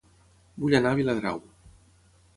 Vull anar a Viladrau